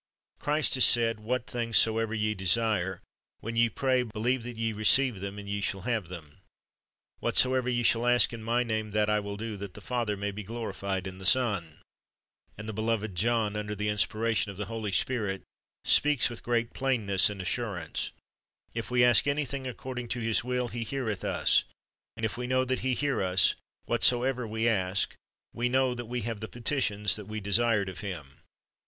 "^ Christ has said, "What things soev^er ye desire, when ye '153.40:30,31 2 Rom. 8: 26 ^Eph. 3:20 148 Christ's Object Lessons pray, believe that ye receive them, and ye shall have them." "Whatsoever ye shall ask in My name, that will I do, that the Father may be glorified in the Son." And the beloved John, under the inspiration of the Holy Spirit, speaks with great plainness and assurance: "If we ask anything according to His will. He heareth us: and if we know that He hear us, whatsoever we ask, we know that we have the petitions that we desired of Him.">